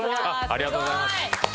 ありがとうございます。